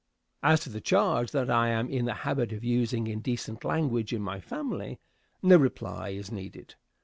As to the charge that I am in the habit of using indecent language in my family, no reply is needed.